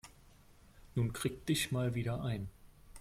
Nun krieg dich mal wieder ein.